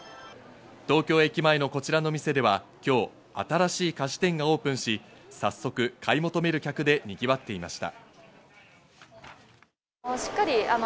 東京駅前のこちらの店では今日新しい菓子店がオープンし、早速買い求める客でにぎわっていました。